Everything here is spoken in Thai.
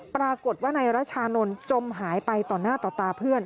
ปรากฏว่านายรชานนท์จมหายไปต่อหน้าต่อตาเพื่อน